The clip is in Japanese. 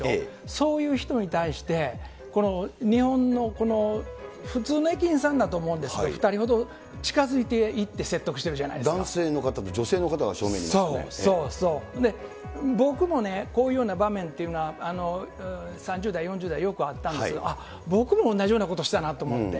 そういう人に対して、日本のこの、普通の駅員さんだと思うんですけど、２人ほど近づいていって説得男性の方、そうそうそう、僕もね、こういうような場面というのは、３０代、４０代、よくあったんですけど、僕も同じようなことしたなと思って。